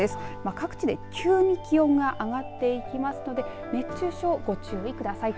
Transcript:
各地で急に気温が上がっていきますので熱中症ご注意ください。